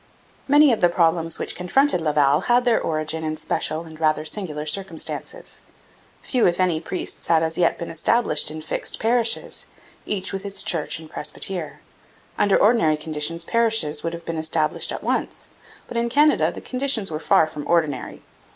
Many of the problems which confronted Laval had their origin in special and rather singular circumstances. Few, if any, priests had as yet been established in fixed parishes each with its church and presbytere. Under ordinary conditions parishes would have been established at once, but in Canada the conditions were far from ordinary.